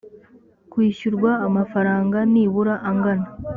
kwishyurwa amafaranga nibura angana